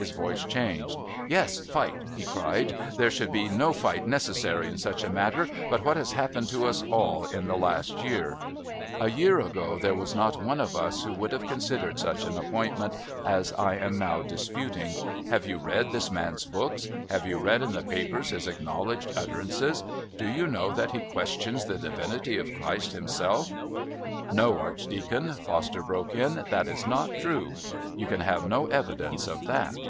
His voice changed. "Yes, fight!" he cried. "There should be no fight necessary in such a matter. But what has happened to us all in the last year? "A year ago there was not one of us who would have considered such an appointment as I am now disputing. Have you read this man's books? Have you read in the papers his acknowledged utterances? Do you know that he questions the Divinity of Christ Himself " "No, Archdeacon," Foster broke in, "that is not true. You can have no evidence of that."